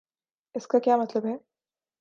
اس کا کیا مطلب ہے؟